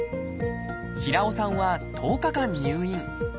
平尾さんは１０日間入院。